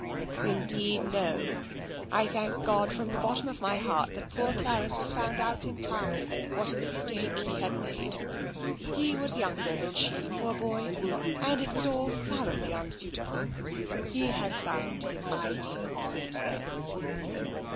146 TENSION " Indeed, no ! I thank God from the bottom of my heart that poor Clarence found out in time what a mis take he had made. He was younger than she, poor boy, and it was all thoroughly unsuitable. He has found his ideal since then."